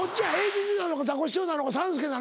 ＨＧなのかザコシショウなのか３助なのかや。